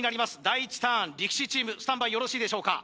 第１ターン力士チームスタンバイよろしいでしょうか？